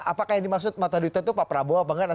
apakah yang dimaksud mata duta itu pak prabowo apa enggak